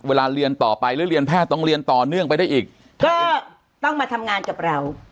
เรียนต่อไปหรือเรียนแพทย์ต้องเรียนต่อเนื่องไปได้อีกก็ต้องมาทำงานกับเรา